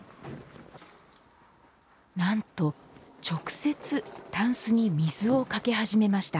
なんと、直接たんすに水をかけ始めました。